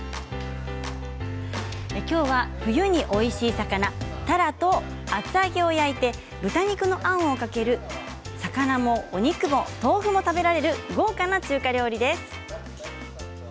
きょうは冬においしい魚たらと厚揚げを焼いて豚肉のあんをかける魚も肉も豆腐も食べられる豪華な中華料理です。